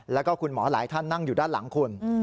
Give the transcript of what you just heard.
แล้วก็คุณหมอหลายท่านนั่งอยู่ด้านหลังคุณ